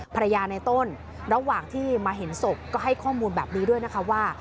ภรรยาในต้นระหว่างที่มาเห็นศพก็ให้ข้อมูลแบบนี้ว่า